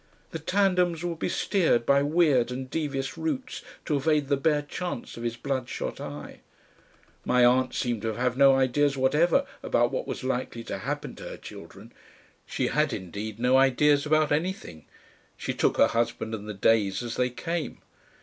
The tandems would be steered by weird and devious routes to evade the bare chance of his bloodshot eye. My aunt seemed to have no ideas whatever about what was likely to happen to her children. She had indeed no ideas about anything; she took her husband and the days as they came.